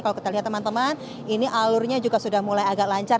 kalau kita lihat teman teman ini alurnya juga sudah mulai agak lancar